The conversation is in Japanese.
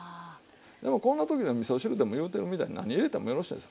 でもこんな時でもみそ汁でも言うてるみたいに何入れてもよろしいんですよ。